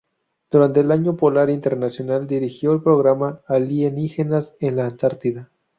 Durante el Año Polar Internacional dirigió el programa "Alienígenas en la Antártida".